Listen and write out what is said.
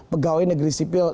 pegawai negeri sipil